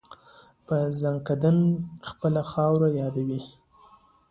په ځانکدن خپله خاوره یادوي.